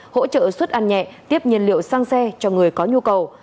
hỗ trợ suất ăn nhẹ tiếp nhiên liệu sang xe cho người có nhu cầu